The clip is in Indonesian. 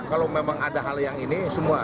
kalau memang ada hal yang ini semua